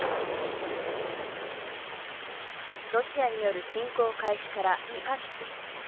ロシアによる侵攻開始から２カ月。